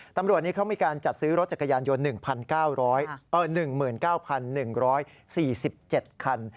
ตำรวจนี้เขามีการจัดซื้อรถจักรยานยนต์๑๙๑๙๑๔๗คัน